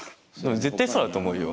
絶対そうだと思うよ。